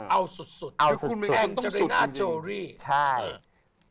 เอ้าสุดคือคุณแม่งก็ต้องสุดจริง